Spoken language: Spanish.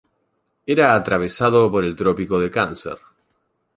Era atravesado por el trópico de Cáncer.